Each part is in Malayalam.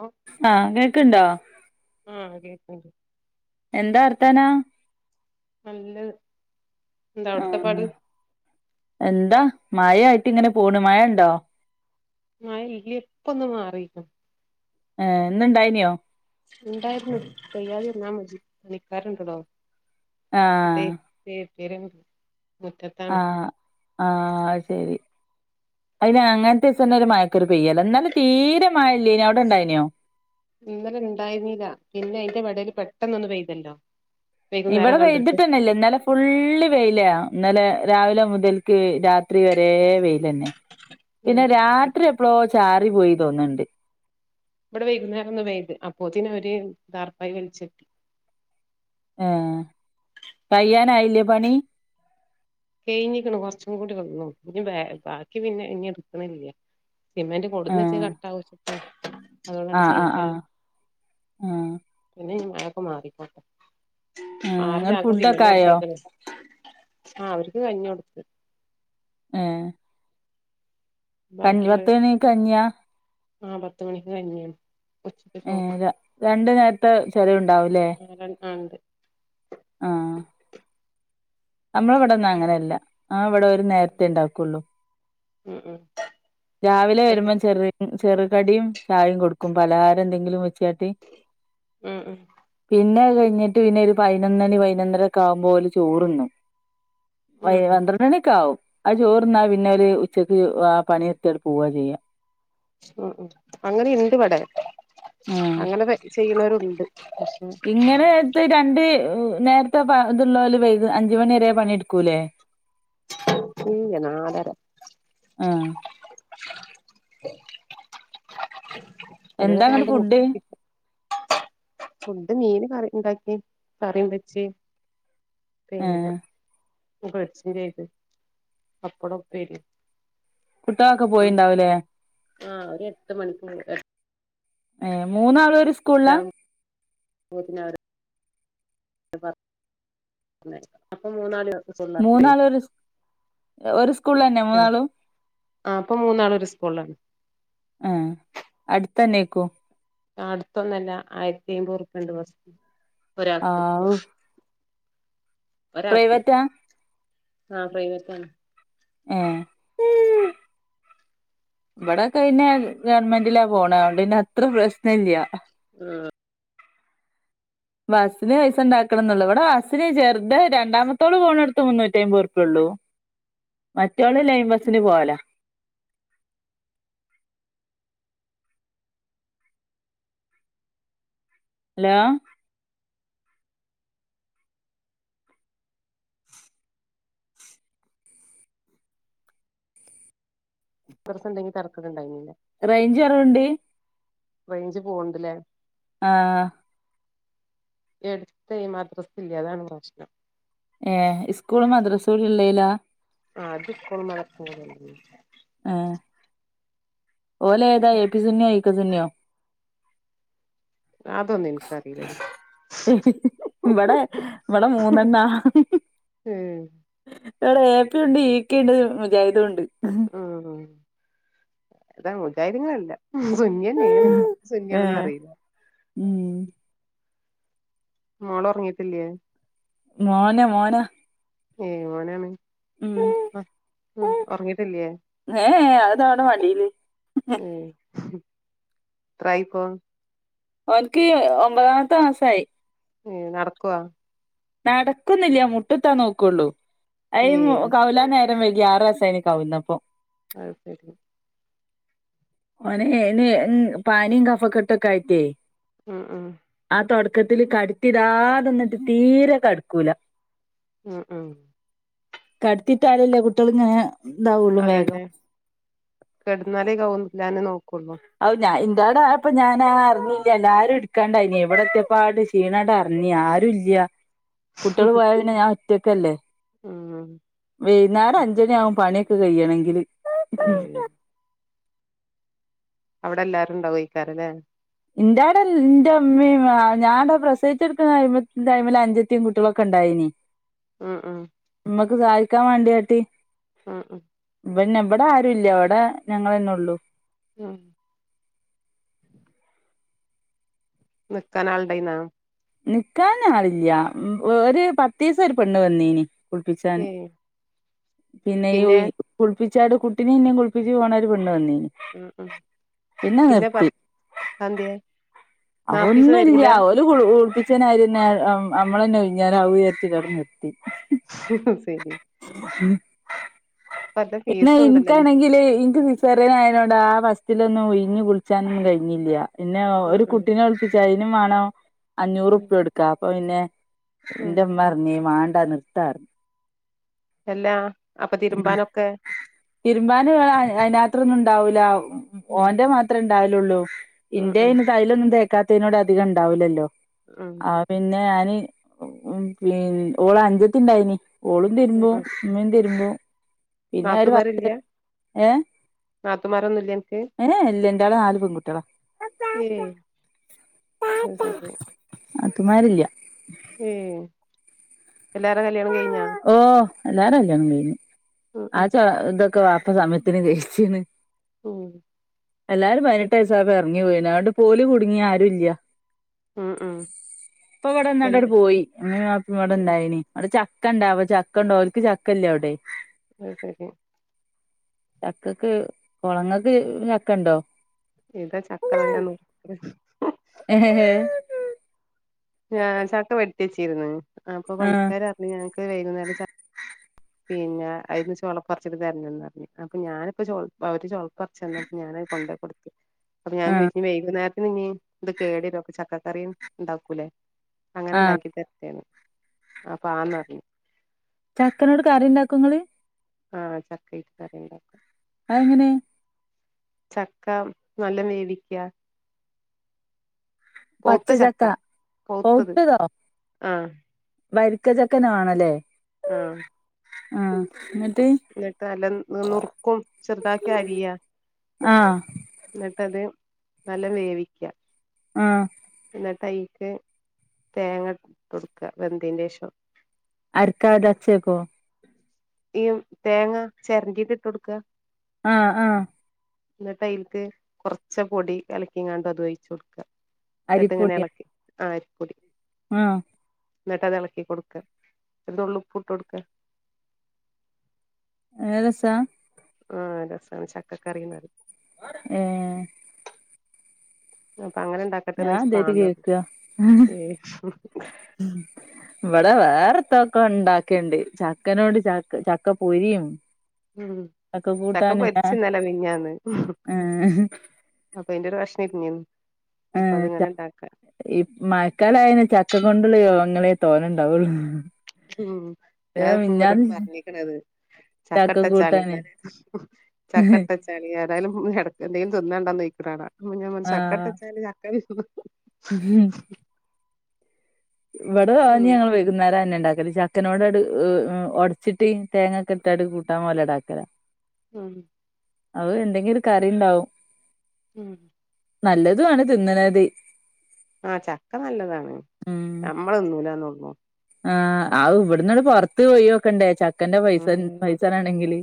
ഓഹ് ആഹ് കേക്ക്ണ്ടോ? ആഹ് കേക്കുണ്ട് എന്താ വർത്താനം ന്നല്ലെത് എന്താ ഔട്ത്തെ പാട്? ആഹ് എന്താ മഴായിട്ട് ഇങ്ങനെ പോണ് മഴ ഇണ്ടോ? മയഇല്ല്യാ ഇപ്പൊന്ന് മാറീ ഏഹ് ഇന്ന്ണ്ടായിനോ? ഇണ്ടായിര്ന്നു പെയ്യാതിരുന്നാമതി പണിക്കാര് ഉണ്ടെടോ ആഹ് അതേ [unintelligible] ആഹ്, ആഹ് ശെരി അയ്ന് അങ്ങൻത്തെദിസംന്നെ ഒരു മയക്കൊരു പെയ്യലഇന്നലെ തീരെ മഴല്ലെനു ഔടെണ്ടായ്നോ? ഇന്നെലെ ഇണ്ടായിരുന്നില പിന്നെ അയ്ന്റെ വടേല് പെട്ടെന്നൊന്ന് പെയ്തല്ലോ? വൈകുന്നേരം ഇവടെ കണ്ടിട്ട് പെയ്തിട്ടെന്നല്ല ഇന്നെലെ ഫുള്ള് വെയില ഇന്നലെ രാവിലെ മുതൽക്ക് രാത്രി വെരെ വെയ്ലെന്നെ. ഉം പിന്നെ രാത്രി എപ്പളോ ചാറിപോയി തോന്ന്ണ്ട്. ഇവടെ വെയ്കുന്നേരംഒന്ന്പെയ്യ്ത് അപ്പോത്തിനൊര് ദാർപ്പായി വെലിചെട്ടി. ആഹ് കയ്യാനായില്ലേ പണി? കെയ്ഞ്ക്ക്ണ് കൊർച്ചും കൂട ഒള്ളു ഇനി ബാക്കി പിന്നെ ഇഞ്ഞി ഇട്ക്ക്ണില്ല സിമെന്റ് കൊടുന്ന് വെച്ച ഏഹ് കട്ടാവുച്ചിട്ട അതോണ്ടാണ് ആഹ് ആഹ് ചെയ്യിക്കാൻ ആഹ് ആഹ് പിന്നെ ഇനി മഴയൊക്കെ മാറിക്കോട്ടെ ഏഹ് ആറ് ഇങ്ങള് ചാക്ക് ഫുഡൊക്കെ സിമന്റെ ആയോ എർക്കീക്ക്ണ് ആഹ് അവര്ക്ക് കഞ്ഞി കൊട്ത്ത് ഏഹ് കഞ്ഞി പത്ത്മണിക്ക് കഞ്ഞിയാ ആഹ് പത്ത് മണിക്ക് കഞ്ഞിയാണ് ഉച്ചക്ക് ഏഹ് ചോറ് ര രണ്ട് നേര്ത്തെ ചെലവ്ഇണ്ടാവുംലെ ആഹ് രൻ ആ ണ്ട് ആഹ് നമ്മളെ ഇവടെന്നും അങ്ങനെയല്ല ആ ഇവടെ ഒരുനേര്ത്തെ ഇണ്ടാക്കൊള്ളു ഉം ഉം രാവിലെ ഉം വെരുമ്പോ ചെറി ചെറു കടിയും ചായയും കൊടുക്കും പലഹാരം എന്തെങ്കിലും വെച്ചു കാട്ടി ഉം പിന്നെ അത് കഴ്ഞ്ഞിട്ട് പിന്നെ ഒരു പയ്നൊന്നണി പയ്നൊന്നര ഒക്കെ ആകുമ്പോ ഓല് ചോർതിന്നും ഉം പയ് പന്ത്രണ്ടണിക്കെആവും ആ ചോറിന്നാ പിന്നെ ഓല് ഉച്ചെക്ക് ആ പണിനിർത്തിയാണ്ട് പോവചെയ്യാ ഉം ഉം അങ്ങനീണ്ട് വടെ ആഹ് അങ്ങനെ വെയ് ചെയ്യുന്നോരുണ്ട് പക്ഷേ ഇങ്ങനെത് രണ്ട് നേർത്തെ വ് ഇത്ള്ളോല് വൈക് അഞ്ച്മണിവെരെ പണിയെടുക്കൂലേ ഇല്ല നാലെര ആഹ് അത് എന്താ ഇങ്ങട്ട് വെരാണ്ട് ഫുഡ് മുട്ടി ഫുഡ് മീന് കറിഇണ്ടാക്കി കറിംവെച്ച് പിന്നെ ഏഹ് പൊര്ച്ചും ചെയ്ത് പപ്പടോം ഉപ്പേരിം കുട്ടികളൊക്കെ പോയിണ്ടാവൂലേ ആഹ് ഒര് എട്ട് മണിക്കോവും എ ഏഹ് മൂന്നാളും ഒരു സ് എട്ടര ആവും [unintelligible] [unintelligible] അങ്ങനെ അപ്പം മൂന്നാല് മൂന്നാളും ഒരു സ് ഒരു സ്കൂളിലന്നെ മൂന്നാളും ആഹ് ഇപ്പൊ മൂന്നാളും ഒരു സ്കൂളിലാണ് ആഹ് അടുത്തന്നെയിക്കു അടുത്തൊന്നല്ല ആയിരത്തി എമ്പത് റുപ്പിയണ്ട് ബസ് ഒരാക്ക് ആവൂ ഒരാക്ക് പ്രൈവറ്റാ ആഹ് പ്രൈവറ്റാണ് ഏഹ് ഇവിടെ കയിഞ്ഞാ ഗവൺമെന്റിലാ പോണെ അതോണ്ട്ന്നെ അത്ര പ്രശ്ന ഇല്യ ഉം ബസ്സിന് പൈസ ഉണ്ടാക്കണം എന്നുള്ളൂ ഇവിടെ ബസ്സിന് ചേർത്ത് രണ്ടാമത്തോള് പോകണടുത്ത് മുന്നൂറ്റി അമ്പത് ഉറുപ്പിയേള്ളൂ [inaudible] മറ്റോള് ലൈൻ ബസിന് പോവല ഹലോ ഇപ്പർത്തുണ്ടെങ്കി തെർക്കട്ണ്ടായിന്നില റെയ്ഞ്ച് കൊറവ്ണ്ട് റേഞ്ച് പോവുണ്ട് ല്ലേ ആഹ് ആഹ് ഈട് അടുത്തേ മദ്രസ ഇല്ല അതാണ് പ്രശ്നം ഏഹ് ഇസ്കൂൾ മദ്രസ ഉള്ളേലാ ആഹ്. അതിപ്പളും [unintelligible] ആഹ് ഓലേതാ ഏ പി സുന്നിയോ ഇ കെ സുന്നിയോ അതൊന്നും എനിക്കറിയില്ലടി ഇവിടെ ഇവിടെ മൂന്നെണ്ണാ ഹ് ഇവിടെ ഏ പി ഉണ്ട് യി കെ ഉണ്ട് മുജാഹിദു ണ്ട് ഉം ഇതാ മുജാഹിതന്നുല്ല ഉം സുന്നിയന്നേണ് ഏ സുന്നിയാണോന്ന് അറിയില്ല ഉം മോളൊറങ്ങീട്ടില്യേ മോന മോന ഏഹ് മോനാണ് ഉം. ആഹ് ഉം ഉറങ്ങീട്ടില്യേ ഏ അതവിടെ മടിയില് ഉം എത്രായിപ്പോ? ഓനിക്ക് ഒമ്പതാമത്തെ മാസായി ഏയ് നടക്കുവോ? നടക്കുന്നില്യ മുട്ടൂത്താ നോക്കുള്ളൂ അയ് ഏഹ് കൗലാന വൈകി ആറ് വയസായി കവുന്നപ്പോ. അഹ്ശരി ഓനെ [unintelligible] പനീം കഫക്കെട്ടൊക്കെ ആയിട്ടേ ഉം ഉം ആഹ് തൊടക്കത്തില് കടുത്തി ഇടാതിന്നിട്ട് തീരെ കെടക്കൂല ഉം ഉം കടുത്തിട്ടാലല്ലേ കുട്ടികളിങ്ങനെ അതന്നെ കെടുന്നാലേ കൗലാനും നോക്കുള്ളൂ അവ് ഞാ ഇൻ്റാടാ ആയപ്പൊ ഞാനാ അറിഞ്ഞില്ല എല്ലാരും എടുക്കാണ്ടായിനി ഇവിടെത്തിയപ്പാട് ക്ഷീണടാറിഞ്ഞി ആരു ഇല്യ കുട്ടികള് പോയ പിന്നെ ഞാൻ ഒറ്റയ്ക്കല്ലേ ഉം വൈകുന്നേരം അഞ്ചണി ആകും പണിയൊ ക്കെ കഴ്യണെങ്കില് ഏയ് അവിടെ എല്ലാരും ഉണ്ടാവോക്കാറല്ലേ എന്റെടെന്റെ ഇമ്മിം ഞാട പ്രസയിച്ച കെടക്കുന്ന ടൈമിൽ അഞ്ചത്തിയും കുട്ടികളൊക്കെ ഉണ്ടായിനി. ഉ ഉം ഉമ്മക്ക് സഹായിക്കാൻക വേണ്ടി യാട്ട് ഉ ഉം പിന്നെ ഇവിടെ ആരു ഇല്ല ഇവിടെ ഞങ്ങളെന്നെ ഉള്ളൂ. ഉം നിൽക്കാൻ ആളുണ്ടായിന്നോ? നിക്കാൻ ആളില്ല ഒരു പത്ത് ദിവസം ഒരു പെണ് വന്നീനി കുളിപ്പിച്ചാന് ഏയ് പിന്നെ ഈ ഉഴി കുളിപ്പിച്ചാട് കുട്ടിനെ ഇന്നിം കുളിപ്പിച്ച് പോവ്ണ പെണ് വന്നിനി ഉ ഉ പിന്നെ പ [unintelligible] അഹ ന്നുല്യ ഒ കുളിപ്പിച്ച [unintelligible] നമ്മള തന്നെ ഉഴിഞ്ഞാ [unintelligible] നിർത്തി ശരി പല ഫീസും ഉണ്ടല്ലോ ഇനക്ക് ഇനി ണെങ്കില് ഇനിക്ക് പോരോന് അതിനോട് ആ ഫസ്റ്റിൽ ഉഴിഞ്ഞഞ് കുളിച്ചാനൊന്നും കഴിഞ്ഞില്ല. പിന്നെ ഉം ഒരു ഉം കുട്ട കുട്ടിനൊ കുളിപിച അയിനുംമണം അഞ്ഞൂറ് ഉം ഉപ്പ എടുക്ക. അപ്പെ ഉം ന്ന വണ്ട നിർത്താന്. എല്ലാ അപ്പൊ തിരുമ്പാനൊക്കെ തിരുമ്പാന് വേ അതിനകത്രൊന്നും ഉണ്ടാവൂല്ല ഉം ഓന്റെ മാത്രംമേ ഉണ്ടാവലുള്ളൂ. ഉം ഇന്ത്യ ഉം അയന് തൈലൊന്നും തേക്കാത്തതിനോട് അധികം ഉണ്ടാവില്ലല്ലോ. ഉം ആ പിന്നെ ഞാന് ഓള് അഞ്ചത്തിണ്ടായിന്. ഓളും ഉം തരുമ്പും ഉം ഉമ്മിം ഉം തരുമ്പും. പിന്നെ ഒരു നാത്തൂമാരില്ല ഏ മറൊന്നുമില്ല അനിക്ക്. ഏ ഇല്ല എന്റെടെനാല് പെൺ കുട്ടി കളാ ഏ ആ ശരി. നാത്തൂമരില. ഏ എല്ലാരും കല്യാണം കഴിഞ്ഞാ. ഓ എല്ലാരുംകല്യാണം കഴിഞ്ഞ് ഉം ആ ഉം ച ഇതൊക്കെ വപ്പ സമയത്തിന് കഴിച്ചീണ്. ഉം എല്ലാരും ഉം പതിനെട്ട് വയസ്സപ്പ ഇങ്ങിയി അതൊണ്ട് പോല് കുടുങ്ങി ആരും ഇല്ല. ഉം ഉം ഇപ്പ ഇവിടെ വന്ട് ആട് പോയി ഇമ്മിം വാപ്പിം ഇവിടയിന്. അവിടെ ച ചക്ക ഉണ്ട അവ ചക്കണ്ടോ അവക്ക് ചക്കല്ലേ അവിടെ. അഹ് ശരി ചക്കക്ക് കുള ങ്ങക്ക് ചക്ക ഉണ്ടോ? ഇതാ ചക്കത ഞാൻ നോ [unintelligible] ഉ ഉ് [unintelligible] ഞാൻ ചട്ട വെടിത്തച്ചിരുന്ന്. അപ്പൊ ആ പണിക്കാര് പറിഞ്ഞ് ഞങ്ങക്ക് വൈകുന്നേരം ച പിന്നെ അതിന്ന് ചോളപ്പറച്ചിട്ട് തരണം പറഞ്ഞ് അപ്പൊ ഞാനിപ്പോ ച അവര് ചോളപ്പറച്ച് തന്നപ്പോ ഞാനൻത് കൊണ്ടോ കൊടു അപ്പൊ ഞാൻ ആ ചോദിച്ചങ വൈകുന്നേരത്തിന് ഇ ഇത് കേടരും അപ്പൊ ചക്കറിയും ഉണ്ടാക്കൂല്ലേ. അങ്ങനെ ആ ഉണ്ടാക്കി തരത്തോണ് അപ്പൊ ആന്ന്റിഞ്ഞ്. ചക്കനോട് കറി ഉണ്ടാക്കെങ്ങള്. ആഹ് ചക്കട്ട് കറിം ണ്ടാക്കും. ആ എങ്ങനെ ചക്ക നല്ല വേവിക്കുക. പൗത്ത ചക്ക പൗത്തത് ആഹ വരിക്ക ചക്കനാണല്ലേ?. ആഹ് ആഹ എന്നിട്ട്. എന്നിട്ട് നല്ല നുറുക്കും, ചെറുതാക്കി അരിയാ ആഹ് എന്നിട്ട് അത് നല്ല വേവിക്കുക. ആഹ് എന്നിട്ട് തയ്ക്ക് തേങ്ങ കൊതെടുക്ക വെന്തന് ശേഷം. അർക്കാതേ അച്ചേക്കോ?. ഈ തേങ്ങ ചിരണ്ടിട്ട് ഇട്ട് കൊടുക്കുക. ആഹ ആഹ എന്നിട്ട് അതിൽക്ക് കുറച്ച് പൊടി കലക്കിങ്ങാണ്ടും അത് ഒഴിച്ചു കൊടുക്ക നട്ട് ഇങ്ങനെ അരിപ്പൊടിയാ ഇളക്കി ആ അരിപ്പൊടി ആഹ് എന്നിട്ട് ഇളക്കി കൊടുക്കുക, അത് ഒരു നുള്ളിപ്പൂ ഇട്ട് കൊടുക്കുക. നല്ല രസാ ആഹ് രസാണ് ചക്കക്കറിന്ന് പറിം ഉം അപ്പൊ അങ്ങനെ ഉണ്ടാക്കട്ടെന്ന് ഞാൻ ചോദിച്ചപ്പൊ ആദ്യായിട്ട് ആന്ന് പറഞ്ഞു കേക്കാ ഏ ഉം ഇവിടെ വേറെത്തൊക്കെ ഉണ്ടാക്കേണ്ട് ചക്കനോട് ച ചക്ക പൊരിയും ഉം ചക്ക പൊരിച്ചു ഇന്നലെ മിനിഞ്ഞാന്ന്. ഏഹ് അപ്പൊ അയിന്റെ ഒരു കഷ്ണം എര്ഞ്ഞിന്ന് അപ്പൊ അത് ഏഹ് ച ഇങ്ങനെ ഇണ്ടാക്കാ ഈ മഴക്കാലായാ ചക്ക കൊണ്ടുള്ള വിഭവങ്ങളെ തോനെ ഉണ്ടാവുള്ളു. ഉം ഞാനപ്പ അവരോട് പറഞ്ഞിക്ക്ണത്. ചക്ക ചക്കട്ടച്ചാല് കൂട്ടാന് ചക്കട്ടച്ചാ ഏതായാലും ഇടക്ക് എന്തെലും തിന്നണ്ടോന്ന് ചോയ്ക്ണ കാണാ ചക്കട്ടെച്ചാലും ചക്കര ഉം ഉം ഇവിടെ ഉം ഞങ്ങൾ വൈകുന്നേരം തന്നെ ഉണ്ടാക്കല് ചക്കനോട് അടു ഒട ചിട്ട് തേങ്ങൊക്കെ ഇട്ടാട് കൂട്ടാൻ പോലെട് ആക്കല ആന്ന് അതും എന്തെങ്കിലും ഒരു കറി ഉണ്ടാവും ഉം നല്ലതു ആണ് തിന്നണത്. ആഹ് ചക്ക നല്ലതാണ്. നമ്മള് തിന്നൂലാന്ന് ഒള്ളൂ. ആ അവ് ഇവട്ന്നാട് പുറത്ത് പോയി നോക്കണ്ടേ ചക്കന്റെ പൈസ ഉം പൈസ വെണെങ്കില്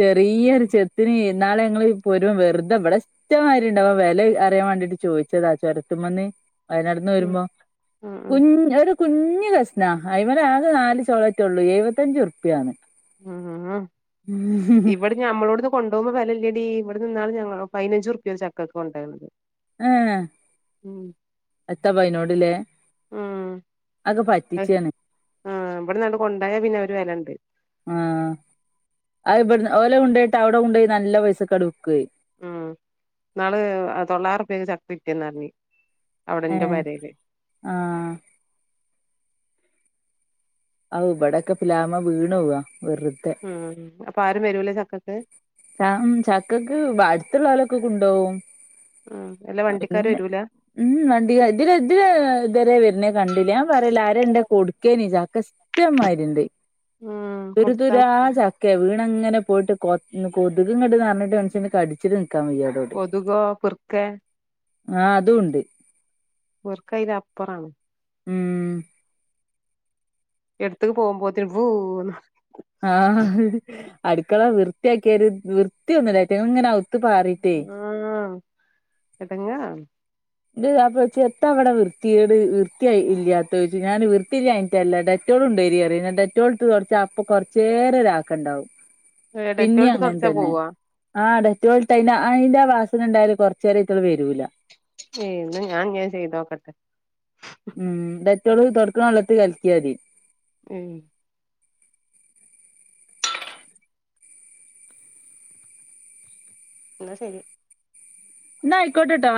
ചെറിയൊരു ചെത്തിന് ഇന്നാളെ ഞങ്ങള് പോരു വെറുതെ ഇവിടെ ഇഷ്ടം മാതിരി ഉണ്ട് അപ്പം വില അറിയാൻ വേണ്ടിട്ട് ചോദിച്ചതാ ചുരത്തുമന്ന് വയനാട്ന്ന് ഉം വരുമ്പോ ഉം കുഞ്ഞ് ഒരു കുഞ്ഞ് കഷ് കഷ്ണ അയ്മല് ആകെ നാല് ചൊളെറ്റള്ളൂ എഴുപത്തഞ്ചുർപ്പിയാന്ന് ഉം ഉം ഇവിടെ ഞമ്മളോടുന്ന് കൊണ്ടു പോകുമ്പം വിലല്ലെടീ ഇവിടെ നിന്നാണ് പതിനഞ്ചുർപ്പി ഒരു ചക്കക്ക് കൊണ്ട് പോയത്. ആഹ് എത്താപയ്നോട്ല്ലേ ഉം അതൊക്കെ പറ്റിക്കാണ്. ആഹ് ഇവട്ന്നട് കൊണ്ടായ പിന്നെ ഒരു വിലയുണ്ട് ആഹ് ആ ഇവിടുന്ന് ഓല് കൊണ്ടയിട്ട് അവിടെ കൊണ്ട് പോയി നല്ല പൈസക്ക് വിക്കുയേ ഉം ന്നാള് തൊള്ളായിരം റുപ്പ്യക്ക് ചക്ക വിറ്റെന്ന് പറഞ്ഞ് ഏ ആഹ് ആ ഇവിടൊക്കെ പ്ലാവ്മേ വീണ് പോവാ വെറുതെ ഉം അപ്പൊ ആരും വെരൂല്ലേ ചക്കക്ക് ച ചക്കക്ക് തടുത്തുള്ളോൽ ഒക്കെ കൊണ്ടോവും ഉം അല്ലാ വണ്ടിക്കാര് പിന്നെ വരൂല ഉം വണ്ടിക ഇതിലെ ഇതിലെ ഇതരെ വരുന്ന കണ്ടില്ല ഞാൻ പറയല ആരണ്ടെ കൊടുക്കേനി ചക്ക ഇഷ്ടന്മാതിരിണ്ട് ഉം കൊടുത്താ തുരുതുരാ മതി ചക്ക ഒക്കെ വീണ് അങ്ങനെ പോയിട്ട് കൊത് ഇന്ന്കൊത്ക് ഇങ്ങട്ട് നർണ് ട്ട് മനുഷ്യന് കടിച്ചിട്ട് നിക്കാൻ വെയ്യ ഇവ് കൊതുകോ പൃക്കേ ആഹ് അതും ഉണ്ട് പിർക്ക ഐലപ്പറാണ് ഉം എട്ത്ത് പോവുമ്പോത്തിനും ഭൂന്ന് വറിം ആഹ് അട്ക്കള വൃത്തിയാക്കിയാല് വൃത്തിയൊന്നും ഇല്ല എവറ്റങ്ങള് ഇങ്ങനെ അവൗത്ത് പാറീറ്റേ ആഹ് എടങ്ങറാണ് ഇത് അപ്പർത്ത് എത്താഇവടെ വൃത്തിയേട് വൃത്തൈ ഇല്യാത്തത് ചോയ്ച്ചും ഞാന് വൃത്തില്യാഞ്ഞ്ട്ടെല്ലടെ ഡെറ്റോളുണ്ടെെരി അറിം ഞാൻ ഡെറ്റോള്ട്ട് തൊടച്ചാ അപ്പൊ കോർച്ചേരം ഒരാക്കണ്ടാവും ഏഹ് ഡെറ്റോള് പിന്നേം ഇട്ട് അങ്ങനെ തൊടച്ചാ തന്നെ പോവോ ആഹ് ഡെറ്റോള് ഇട്ടൈന്റെ ഐന്റെ വാസന ഇണ്ടായാല് കൊർച്ചേരം ഇത്റ്റകള് വെരൂല ഏഹ് ഇന്ന ഞാൻ ഇങ്ങനെ ചെയ്തോക്കട്ടെ ഉം ഡെറ്റോള് തൊടക്ക്ണ വള്ളത്തില് കലക്കിയാവതി ഉം ഇന്ന സെരി ഇന്നാ ഐക്കോട്ടെട്ടൊന്നാ